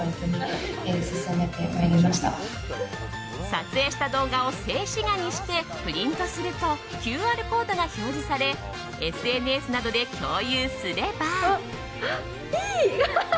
撮影した動画を静止画にしてプリントするとＱＲコードが表示されＳＮＳなどで共有すれば。